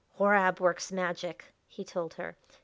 "Horab works magic," he told her.